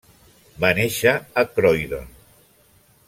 Va néixer a Croydon.